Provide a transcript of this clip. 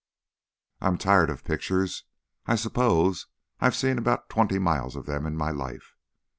I'm tired of pictures. I suppose I've seen about twenty miles of them in my life.